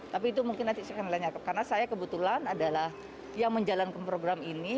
tapi itu mungkin nanti saya akan tanyakan karena saya kebetulan adalah yang menjalankan program ini